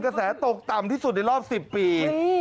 กระแสตกต่ำที่สุดในรอบ๑๐ปี